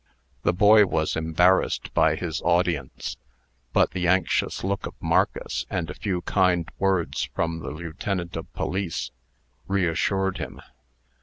The boy was embarrassed by his audience; but the anxious look of Marcus, and a few kind words from the lieutenant of police, reassured him.